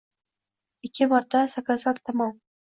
Ikki marta sakrasamtamom